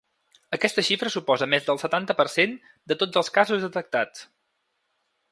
Aquesta xifra suposa més del setanta per cent de tots els casos detectats.